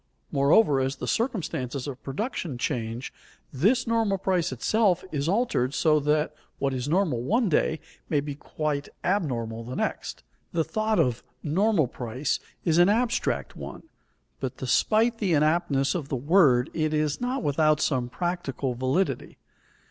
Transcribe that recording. Moreover, as the circumstances of production change, this normal price itself is altered so that what is normal one day may be quite abnormal the next. The thought of "normal price" is an abstract one, but despite the inaptness of the word it is not without some practical validity.